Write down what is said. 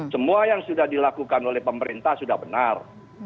semua yang sudah dilakukan oleh pemerintah sudah benar